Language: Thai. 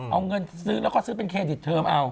เอาเงินซื้อและซื้อเป็นเครดิตเทอม